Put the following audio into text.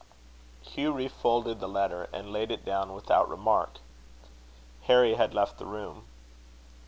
Hugh refolded the letter, and laid it down without remark. Harry had left the room.